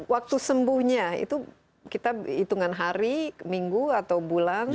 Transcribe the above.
waktu sembuhnya itu kita hitungan hari minggu atau bulan